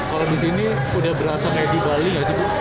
kalau di sini udah berasa kayak di bali nggak sih bu